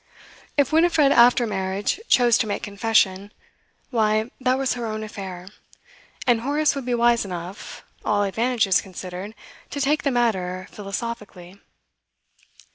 If Winifred, after marriage, chose to make confession, why, that was her own affair, and Horace would be wise enough, all advantages considered, to take the matter philosophically.